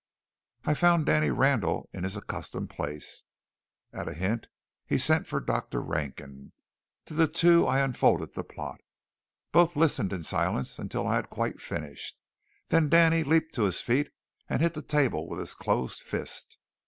I found Danny Randall in his accustomed place. At a hint he sent for Dr. Rankin. To the two I unfolded the plot. Both listened in silence until I had quite finished. Then Danny leaped to his feet and hit the table with his closed fist.